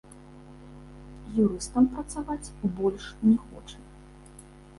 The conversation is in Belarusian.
Юрыстам працаваць больш не хоча.